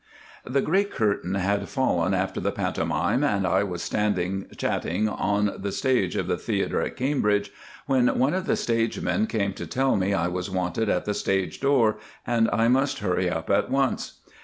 The great curtain had fallen after the pantomime, and I was standing chatting on the stage of the theatre at Cambridge when one of the stage men came to tell me I was wanted at the stage door and I must hurry up at once.